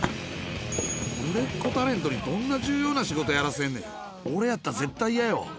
売れっ子タレントにどんな重要な仕事やらせんねん。俺やったら絶対嫌よ。